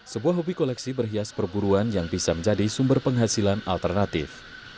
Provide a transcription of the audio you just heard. sebuah hobi koleksi berhias perburuan yang bisa menjadi sumber penghasilan alternatif